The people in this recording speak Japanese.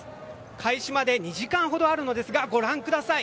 開始前で２時間ほどありますがご覧ください。